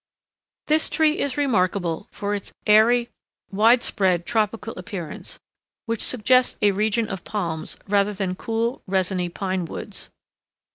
This tree is remarkable for its airy, widespread, tropical appearance, which suggests a region of palms, rather than cool, resiny pine woods.